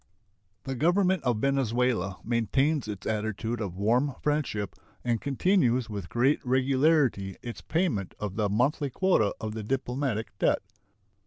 The Government of Venezuela maintains its attitude of warm friendship and continues with great regularity its payment of the monthly quota of the diplomatic debt.